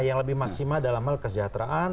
yang lebih maksimal dalam hal kesejahteraan